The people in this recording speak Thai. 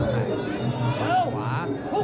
สับส่วนขวา